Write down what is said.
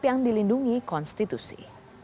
yang dilindungi konstitusi